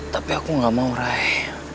tapi aku gak mau raih